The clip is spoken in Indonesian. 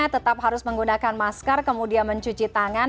tetap harus menggunakan masker kemudian mencuci tangan